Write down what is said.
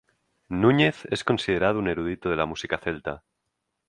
Núñez es considerado un erudito de la música celta.